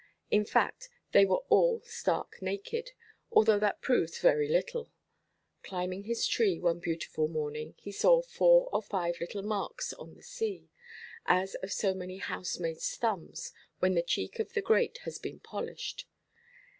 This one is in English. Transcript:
In fact, they were all stark naked; although that proves very little. Climbing his tree, one beautiful morning, he saw four or five little marks on the sea, as of so many housemaidsʼ thumbs, when the cheek of the grate has been polished.